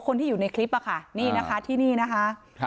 คนที่อยู่ในคลิปอะค่ะนี่นะคะที่นี่นะคะ